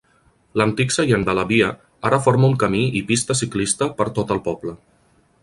L'antic seient de la via ara forma un camí i pista ciclista per tot el poble.